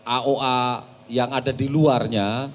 aoa yang ada di luarnya